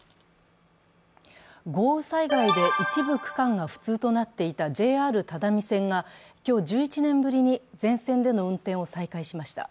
豪雨災害で一部区間が不通となっていたＪＲ只見線が今日、１１年ぶりに全線での運転を再開しました。